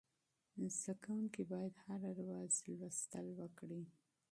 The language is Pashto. زده کوونکي باید هره ورځ مطالعه وکړي.